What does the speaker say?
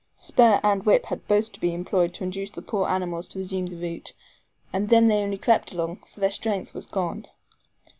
Spur and whip had both to be employed to induce the poor animals to resume the route, and then they only crept along, for their strength was gone.